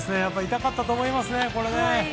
痛かったと思いますね。